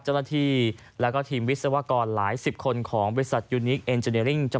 เจ้าหน้าที่และก็ทีมวิศวกรหลายสิบคนของวิศวิศัทธิ์ยูนิคเอ็นเจเนียร์ลิ่ง